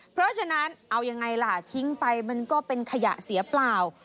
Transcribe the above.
เพราะฉะนั้นเอายังไงล่ะทิ้งไปมันก็เป็นขยะเสียเปล่า